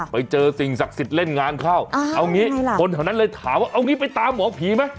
ไปเจอสิ่งศักดิ์สิทธิ์เล่นงานเข้าเอางี้คนแถวนั้นเลยถามว่าเอางี้ไปตามหมอผีไหม